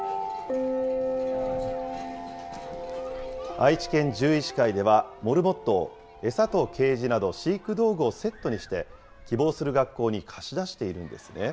愛知県獣医師会では、モルモットを、餌とケージなど飼育道具をセットにして、希望する学校に貸し出しているんですね。